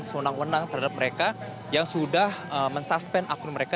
sewenang wenang terhadap mereka yang sudah mensuspend akun mereka